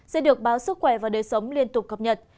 sẽ được báo sức khỏe và đời sống liên tục cập nhật